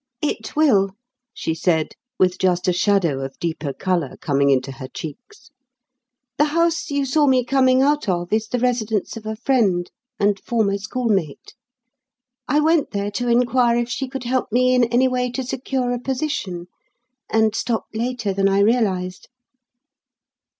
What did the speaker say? "It will," she said, with just a shadow of deeper colour coming into her cheeks. "The house you saw me coming out of is the residence of a friend and former schoolmate. I went there to inquire if she could help me in any way to secure a position; and stopped later than I realised."